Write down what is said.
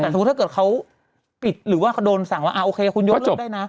แต่สมมุติถ้าเกิดเขาปิดหรือว่าเขาโดนสั่งว่าโอเคคุณยกเลิกได้นะ